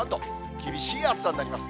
厳しい暑さになります。